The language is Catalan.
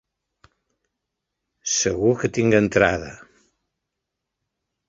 Segur que tinc entrada.